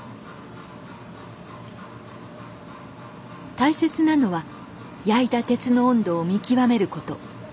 大切なのは焼いた鉄の温度を見極めること。